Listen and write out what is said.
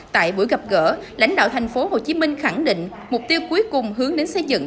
tại buổi gặp gỡ lãnh đạo tp hcm khẳng định mục tiêu cuối cùng hướng đến xây dựng